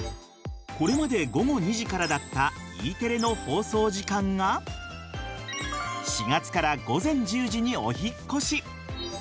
これまで午後２時からだったＥテレの放送時間が４月から午前１０時にお引っ越し。